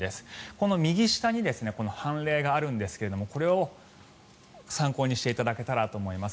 この右下に凡例があるんですがこれを参考にしていただけたらと思います。